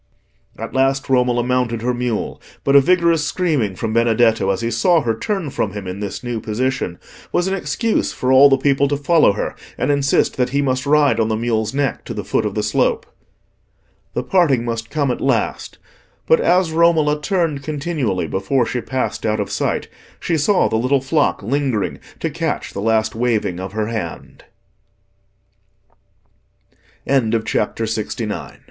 At last Romola mounted her mule, but a vigorous screaming from Benedetto as he saw her turn from him in this new position, was an excuse for all the people to follow her and insist that he must ride on the mule's neck to the foot of the slope. The parting must come at last, but as Romola turned continually before she passed out of sight, she saw the little flock lingering to catch the last waving of her hand. CHAPTER LXX. Meeting Again.